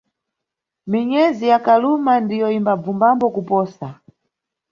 Minyezi ya kaluma ndiyo imbabvumbambo kuposa.